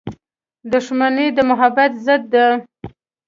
• دښمني د محبت ضد ده.